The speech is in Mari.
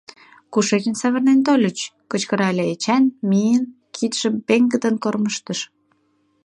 Кушеч савырнен тольыч? — кычкырале Эчан, миен, кидшым пеҥгыдын кормыжтыш.